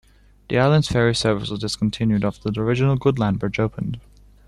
The island's ferry service was discontinued after the original Goodland Bridge opened.